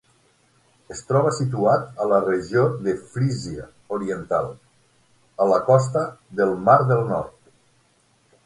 Es troba situat a la regió de Frisia Oriental, a la costa del Mar del Nord.